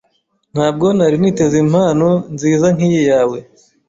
Ntabwo nari niteze impano nziza nkiyi yawe.